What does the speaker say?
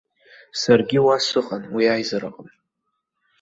Саргьы уа сыҟан, уи аизараҟны.